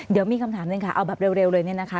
เดี๋ยวมีคำถามนึงค่ะเอาแบบเร็วเลยนะค่ะ